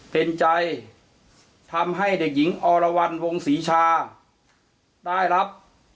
เป็นใจทำให้เด็กหญิงอรวรรณวงศรีชาได้รับ